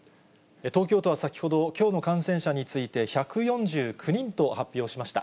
東京都は先ほど、きょうの感染者について、１４９人と発表しました。